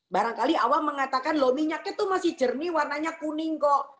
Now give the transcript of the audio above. barangkali awam mengatakan loh minyaknya itu masih jernih warnanya kuning kok